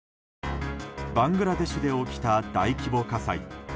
バングラデシュで起きた大規模火災。